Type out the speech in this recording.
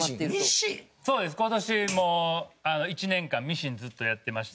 今年も１年間ミシンずっとやってまして。